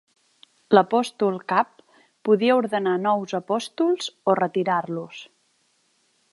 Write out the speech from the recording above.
L'apòstol cap podia ordenar nous apòstols o retirar-los.